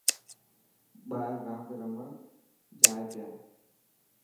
ٻار راند رهڻ جائي پيا.